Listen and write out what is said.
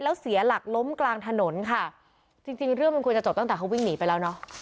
แล้วเสียหลักล้มกลางถนนค่ะจริงจริงเรื่องมันควรจะจบตั้งแต่เขาวิ่งหนีไปแล้วเนอะ